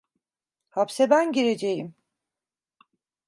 Hapse ben gireceğim…